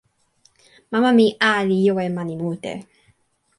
mama mi a li jo e mani mute.